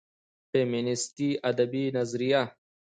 فيمينستى ادبى نظريه